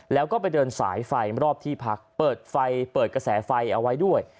แล้วก็ไปเดินสายไฟรอบที่พักเปิดไฟเปิดกระแสไฟเอาไว้ด้วย